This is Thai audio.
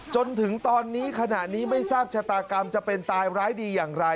จนถึงตอนนี้ขณะนี้ไม่ทราบชะตากรรมจะเป็นตายร้ายดีอย่างไร